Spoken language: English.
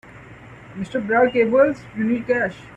Mr. Brad cables you need cash.